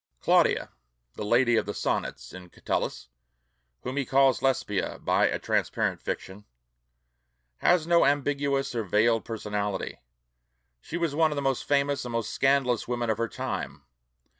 Clodia, the "Lady of the Sonnets" in Catullus, whom he calls Lesbia by a transparent fiction, has no ambiguous or veiled personality. She was one of the most famous and most scandalous women of her time.